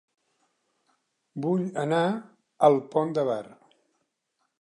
Vull anar a El Pont de Bar